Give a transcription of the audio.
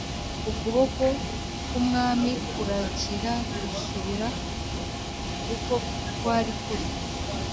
ukuboko k’umwami kurakira gusubira uko kwari kuri